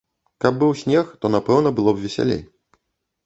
Каб быў снег, то, напэўна, было б весялей.